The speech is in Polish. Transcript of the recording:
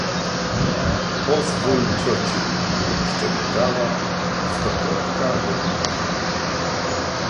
"pozwól ciociu!“ szczebiotała Stokrotka jednym tchem."